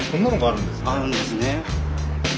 あるんですね。